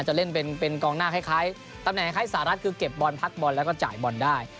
จะเล่นเป็นกองหน้าคล้ายตำแหน่งคล้ายสหรัฐคือเก็บบอลพักบอลแล้วก็จ่ายบอลได้